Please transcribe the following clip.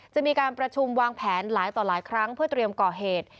จะมีการประชุมวางแผนหลายต่อหลายครั้งเพื่อเตรียมก่อเหตุ